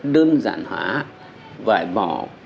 đơn giản hóa bại bỏ các thủ tục kiểm tra chuyên ngành